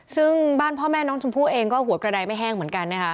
ซึ่งบ้านพ่อแม่น้องชมพู่เองก็หัวกระดายไม่แห้งเหมือนกันนะคะ